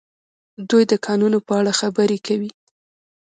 دوی د کانونو په اړه خبرې کوي.